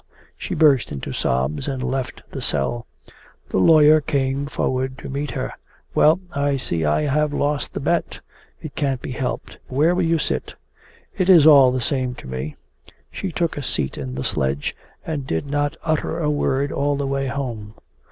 She burst into sobs and left the cell. The lawyer came forward to meet her. 'Well, I see I have lost the bet. It can't be helped. Where will you sit?' 'It is all the same to me.' She took a seat in the sledge, and did not utter a word all the way home.